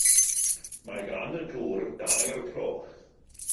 Mae gan y tŵr dair cloch.